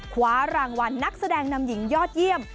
คว้ารางวัลนักแสดงนำหญิงยอดเยี่ยม